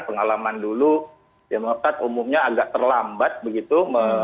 pengalaman dulu demokrat umumnya agak terlambat begitu